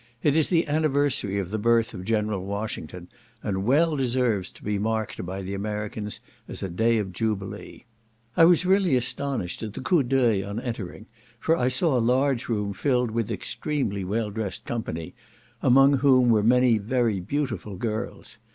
It is the anniversary of the birth of General Washington, and well deserves to be marked by the Americans as a day of jubilee. I was really astonished at the coup d'oeil on entering, for I saw a large room filled with extremely well dressed company, among whom were many very beautiful girls.